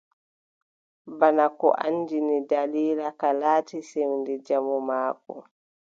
Bana ko anndini, daliila ka, laati sewnde jamu maako.